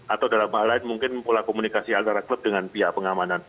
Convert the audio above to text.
atau dalam hal lain mungkin pola komunikasi antara klub dengan pihak pengamanan